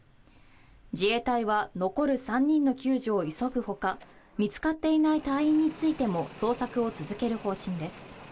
自衛隊は残る３人の救助を急ぐほか見つかっていない隊員についても捜索を続ける方針です。